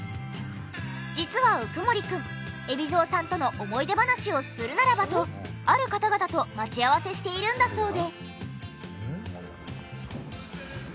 実は鵜久森くん海老蔵さんとの思い出話をするならばとある方々と待ち合わせしているんだそうで。